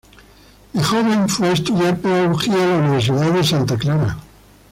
De joven fue a estudiar Pedagogía a la Universidad de Santa Clara.